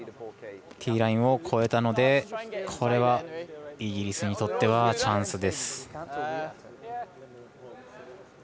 ティーラインを越えたのでこれはイギリスにとってはチャンスです。